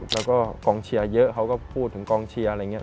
แล้วก็กองเชียร์เยอะเขาก็พูดถึงกองเชียร์อะไรอย่างนี้